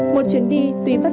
một chuyến đi tuyệt vời